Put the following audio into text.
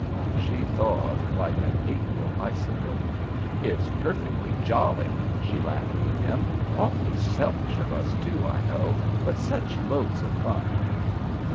She thawed like an April icicle. "It's perfectly jolly," she laughed with him. "Awfully selfish of us, too, I know, but such loads of fun."